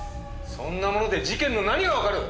そんなもので事件の何がわかる！